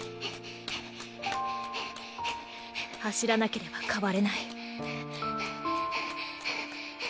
走らなければ変われない